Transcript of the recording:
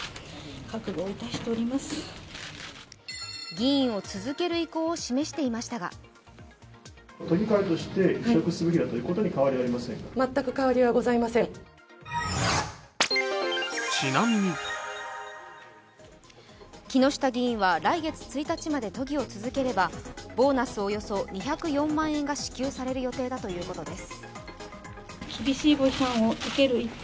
議員を続ける意向を示していましたが木下議員は来月１日まで都議を続ければ、ボーナスおよそ２０４万円が支給される予定だということです。